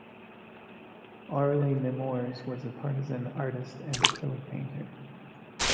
Aurelie Nemours was a partisan artist and acrylic painter.